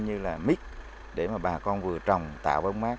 như là mít để mà bà con vừa trồng tạo bóng mát